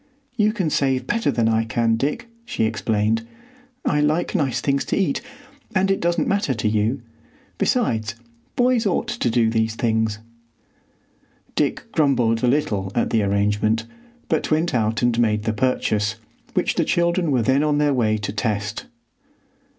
"You can save better than I can, Dick," she explained; "I like nice things to eat, and it doesn't matter to you. Besides, boys ought to do these things." Dick grumbled a little at the arrangement, but went out and made the purchase, which the children were then on their way to test.